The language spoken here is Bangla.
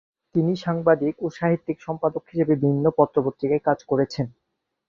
তিনি সাংবাদিক ও সাহিত্য সম্পাদক হিসাবে বিভিন্ন পত্র-পত্রিকায় কাজ করেছেন।